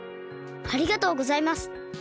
ありがとうございます。